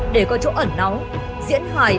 để có chỗ ẩn náu diễn hài